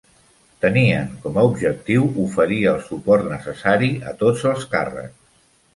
Tenien com a objectiu oferir el suport necessari a tots els càrrecs.